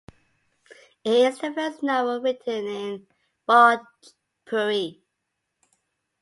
It is the first novel written in Bhojpuri.